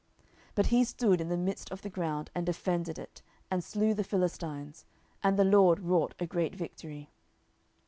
10:023:012 But he stood in the midst of the ground, and defended it, and slew the Philistines: and the LORD wrought a great victory.